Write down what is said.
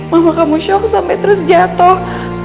mama kamu shock sampe terus jatoh